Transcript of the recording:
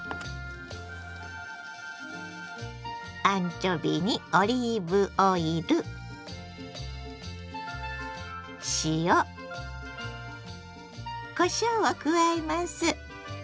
アンチョビにオリーブオイル塩こしょうを加えます。